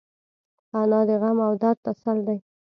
انا د غم او درد تسل ده